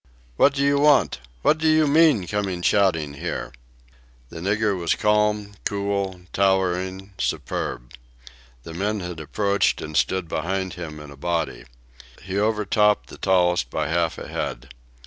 What do you want? What do you mean, coming shouting here?" The nigger was calm, cool, towering, superb. The men had approached and stood behind him in a body. He overtopped the tallest by half a head.